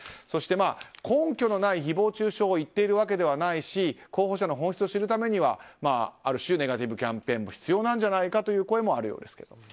そして、根拠のない誹謗中傷を言っているわけではないし候補者の本質を知るためにはある種ネガティブキャンペーンも必要なんじゃないかという声もあるようですけど。